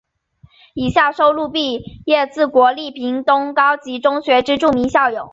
以下收录毕业自国立屏东高级中学之著名校友。